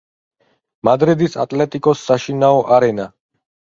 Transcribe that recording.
მადრიდის „ატლეტიკოს“ საშინაო არენა.